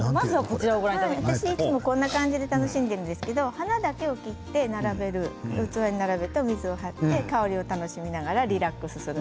いつもこんな感じで楽しんでいるんですけれども花だけ切って器に並べる水を張って香りを楽しんでリラックスする。